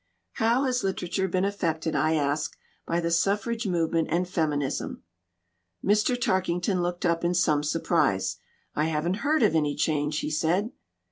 "How has literature been affected," I asked, "by the suffrage movement and feminism?" Mr. Tarkington looked up in some surprise. "I haven't heard of any change," he said.